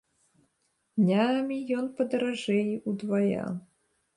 Днямі ён падаражэй удвая.